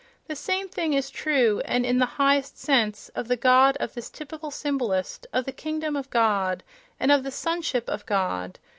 The same thing is true, and in the highest sense, of the God of this typical symbolist, of the "kingdom of God," and of the "sonship of God."